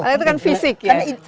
karena itu kan fisik ya